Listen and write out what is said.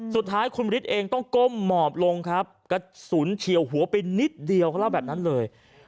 สุดท้ายคุณฤทธิ์เองต้องก้มหมอบลงครับกระสุนเฉียวหัวไปนิดเดียวเขาเล่าแบบนั้นเลย